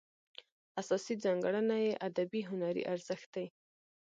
اساسي ځانګړنه یې ادبي هنري ارزښت دی.